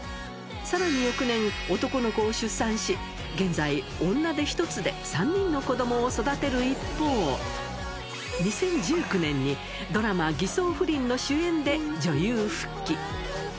さらに翌年、男の子を出産し、現在、女手一つで３人の子どもを育てる一方、２０１９年にドラマ、偽装不倫の主演で女優復帰。